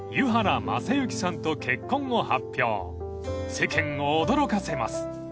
［世間を驚かせます］